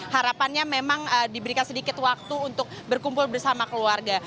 harapannya memang diberikan sedikit waktu untuk berkumpul bersama keluarga